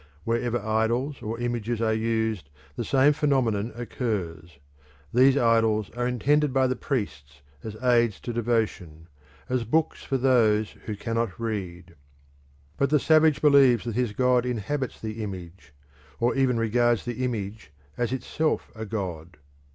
Wherever idols or images are used the same phenomenon occurs. These idols are intended by the priests as aids to devotion, as books for those who cannot read. But the savage believes that his god inhabits the image, or even regards the image as itself a god.